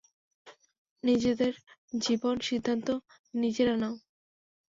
নিজেদের জীবনের সিদ্ধান্ত নিজেরা নাও।